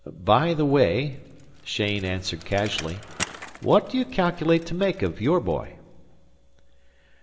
"By the way," Cheyne answered casually, "what d'you calculate to make of your boy?"